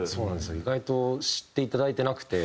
意外と知っていただいてなくて。